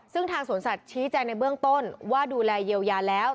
ซึ่งทางสวนสัตว์ชี้แจงในเบื้องต้นว่าดูแลเยียวยาแล้ว